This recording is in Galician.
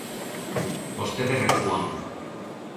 Vostedes recúan.